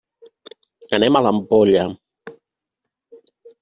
Anem a l'Ampolla.